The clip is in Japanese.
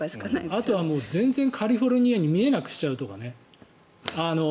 あとは全然カリフォルニアに見えなくしちゃうとかね。